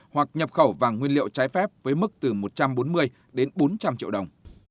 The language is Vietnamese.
hoặc nhập khẩu vàng nguyên liệu trái phép với mức từ một trăm bốn mươi đến bốn trăm linh triệu đồng